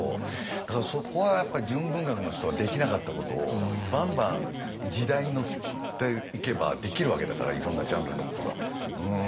だからそこはやっぱり純文学の人ができなかったことをバンバン時代に乗っていけばできるわけだからいろんなジャンルのことが。